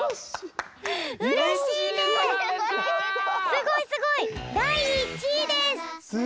すごいすごい！だい１いです！